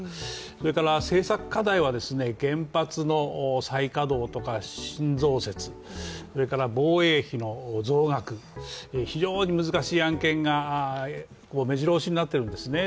それから政策課題は、原発の再稼働とか新・増設、防衛費の増額、非常に難しい案件がめじろ押しになっているんですね。